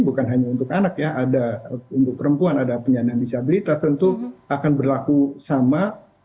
bukan hanya untuk anak ya ada untuk perempuan ada penyandang disabilitas tentu akan berlaku sama